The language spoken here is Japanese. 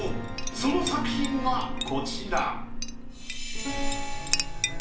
その作品がこちら。